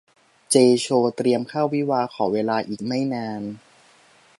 เจย์ โชว์ เตรียมเข้าวิวาห์ ขอเวลาอีกไม่นาน